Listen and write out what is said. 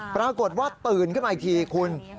ปรากฏว่าตื่นขึ้นมาอีกทีคุณ